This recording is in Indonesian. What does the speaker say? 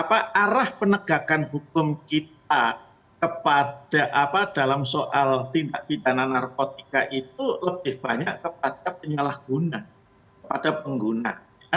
apa arah penegakan hukum kita kepada dalam soal tindak pidana narkotika itu lebih banyak kepada penyalahguna kepada pengguna